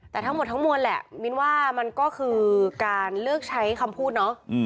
แต่ทั้งหมดทั้งมวลแหละมิ้นว่ามันก็คือการเลือกใช้คำพูดเนาะ